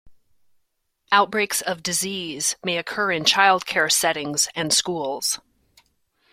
Outbreaks of disease may occur in childcare settings and schools.